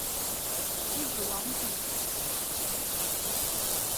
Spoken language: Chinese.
其子王景。